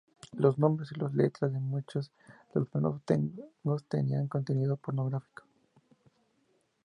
Los nombres y las letras de muchos de los primeros tangos tenían contenido pornográfico.